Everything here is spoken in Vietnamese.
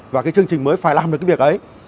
và cái chương trình mới phải làm được cái việc ấy